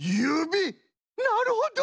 なるほど！